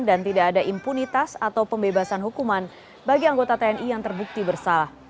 dan tidak ada impunitas atau pembebasan hukuman bagi anggota tni yang terbukti bersalah